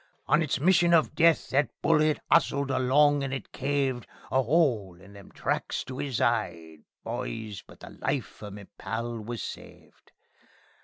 On its mission of death that bullet 'ustled along, and it caved A 'ole in them tracts to 'is 'ide, boys but the life o' me pal was saved.